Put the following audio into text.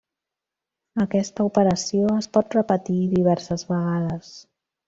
Aquesta operació es pot repetir diverses vegades.